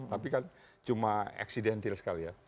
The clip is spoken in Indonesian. tapi kan cuma accidental sekali ya